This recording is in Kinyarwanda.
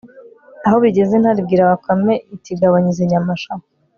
aho bigeze, intare ibwira bakame, itigabanya izi nyama sha